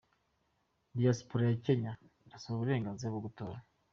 Diyasipora ya Kenya irasaba uburenganzira bwo gutora